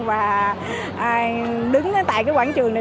và đứng tại cái quảng trường này